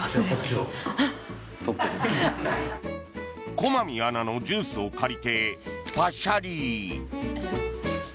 駒見アナのジュースを借りてパシャリ。